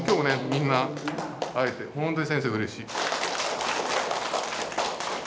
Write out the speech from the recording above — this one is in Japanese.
みんな会えて本当に先生うれしい。